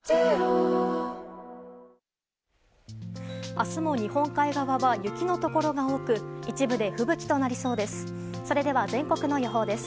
明日も日本海側は雪のところが多く一部で吹雪となりそうです。